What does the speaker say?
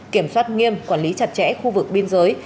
kiểm soát nghiêm quản lý chặt chẽ khu vực biên giới